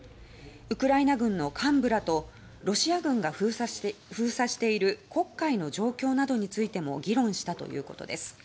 ウクライナ軍の幹部らとロシア軍が封鎖している黒海の状況などについても議論したということです。